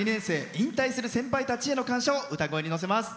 引退する先輩たちへの感謝を歌声にのせます。